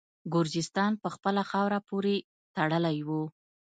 ګرجستان په خپله خاوره پوري تړلی وو.